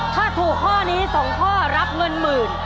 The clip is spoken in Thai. ถ้าถูกข้อนี้๒ข้อรับเงินหมื่น